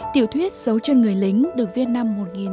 tiểu thuyết dấu chân người lính được viết năm một nghìn chín trăm bảy mươi